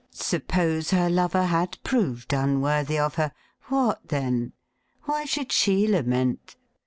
Suppose her lover had proved unworthy of her — what then.? Why should she lament